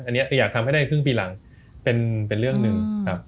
อันนี้คืออยากทำให้ได้ครึ่งปีหลังเป็นเรื่องหนึ่งครับ